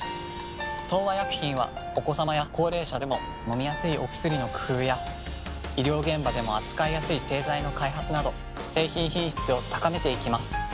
東和薬品はお子さまや高齢者でも飲みやすいお薬の工夫や医療現場でも扱いやすい製剤の開発など製品品質を高めていきます。